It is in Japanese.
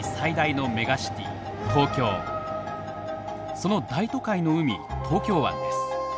その大都会の海東京湾です。